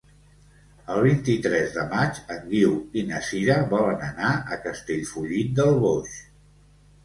El vint-i-tres de maig en Guiu i na Sira volen anar a Castellfollit del Boix.